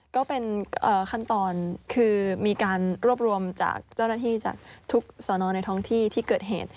ก็เป็นขั้นตอนคือมีการรวบรวมจากเจ้าหน้าที่จากทุกสอนอในท้องที่ที่เกิดเหตุ